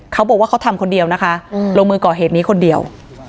เขาบอกว่าเขาทำคนเดียวนะคะลงมือก่อเหตุนี้คนเดียว